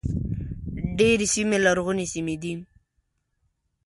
ډېرې سیمې لرغونې سیمې دي.